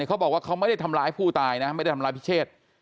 เขาบอกว่าเขาไม่ได้ทำร้ายผู้ตายนะไม่ได้ทำร้ายพิเชษ